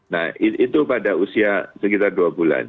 nah itu pada usia sekitar dua bulan